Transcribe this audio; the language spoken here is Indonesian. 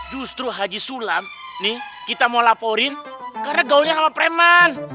justru haji sulam nih kita mau laporin karena gaulnya sama preman